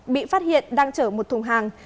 bị phát hiện đang chở một thùng hàng